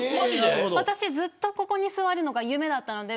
私ずっとここに座るのが夢だったので。